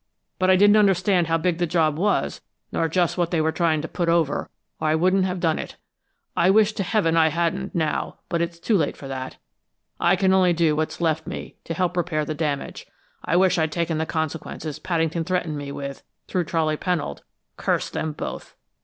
But I didn't understand how big the job was, nor just what they were trying to put over, or I wouldn't have done it. I wish to heaven I hadn't, now, but it's too late for that; I can only do what's left me to help repair the damage. I wish I'd taken the consequences Paddington threatened me with, through Charley Pennold curse them both!